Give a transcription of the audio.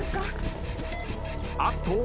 あっと。